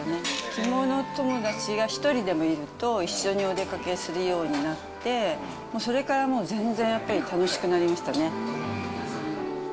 着物友達が１人でもいると、一緒にお出かけするようになって、それからもう、全然やっぱり楽しくなりましたね。